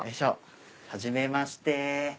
はじめまして。